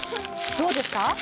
どうですか？